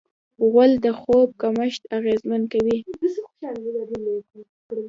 غول د خوب کمښت اغېزمن کوي.